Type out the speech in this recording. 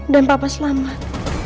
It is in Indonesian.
dan papa selamat